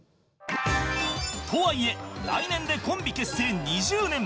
とはいえ来年でコンビ結成２０年